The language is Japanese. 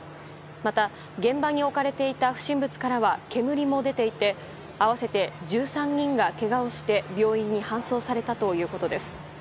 また、現場に置かれていた不審物からは煙も出ていて合わせて１３人がけがをして病院に搬送されたということです。